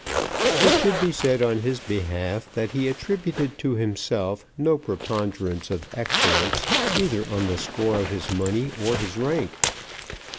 It should be said on his behalf that he attributed to himself no preponderance of excellence, either on the score of his money or his rank.